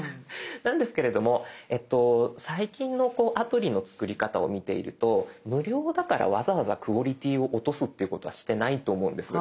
なんですけれども最近のアプリの作り方を見ていると無料だからわざわざクオリティーを落とすっていうことはしてないと思うんです。